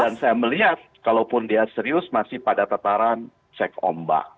dan saya melihat kalaupun dia serius masih pada tataran cek ombak